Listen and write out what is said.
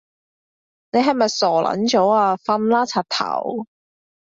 你係咪傻撚咗啊？瞓啦柒頭